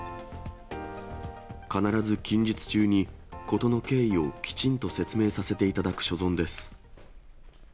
必ず近日中に、事の経緯をきちんと説明させていただく所存です。